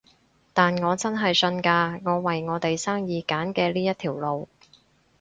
但我真係信㗎，我為我哋生意揀嘅呢一條路